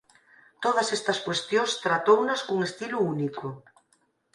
Todas estas cuestións tratounas cun estilo único.